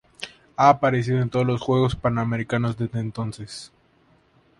Ha aparecido en todos los Juegos Panamericanos desde entonces.